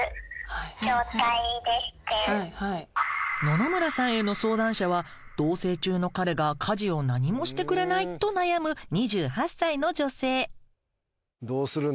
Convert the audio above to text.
野々村さんへの相談者は同棲中の彼が家事を何もしてくれないと悩む２８歳の女性。